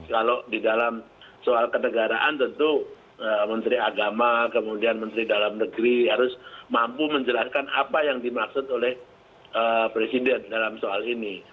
kalau di dalam soal kenegaraan tentu menteri agama kemudian menteri dalam negeri harus mampu menjelaskan apa yang dimaksud oleh presiden dalam soal ini